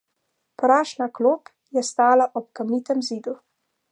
Prašna klop je stala ob kamnitem zidu.